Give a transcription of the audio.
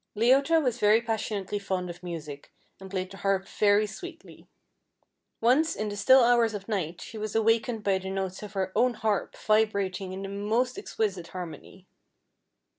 Leota was passionately fond of music, and played the harp very sweetly. Once in the still hours of night, she was awakened by the notes of her own harp vibrating in the most exquisite harmony.